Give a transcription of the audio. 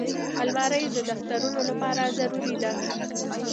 الماري د دفترونو لپاره ضروري ده